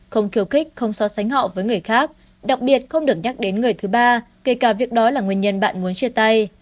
không khiêu khích không so sánh họ với người khác đặc biệt không được nhắc đến người thứ ba kể cả việc đó là nguyên nhân bạn muốn chia tay